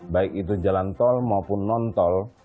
baik itu jalan tol maupun non tol